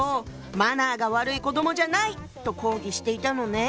「マナーが悪い子どもじゃない！」と抗議していたのね。